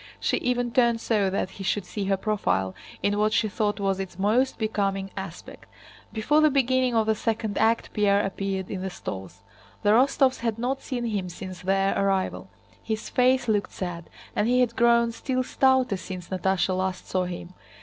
She even turned so that he should see her profile in what she thought was its most becoming aspect. Before the beginning of the second act Pierre appeared in the stalls. The Rostóvs had not seen him since their arrival. His face looked sad, and he had grown still stouter since Natásha last saw him.